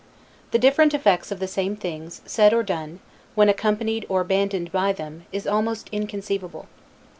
The different effects of the same things, said or done, when accompanied or abandoned by them, is almost inconceivable.